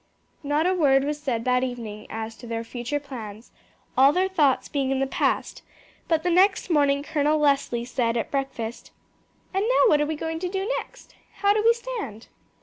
Not a word was said that evening as to their future plans, all their thoughts being in the past; but the next morning Colonel Leslie said at breakfast: "And now what are we going to do next? How do we stand?"